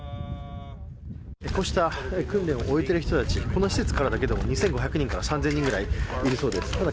こうした訓練を終えている人たちこの施設からだけでも２５００人から３０００人くらいいるそうです。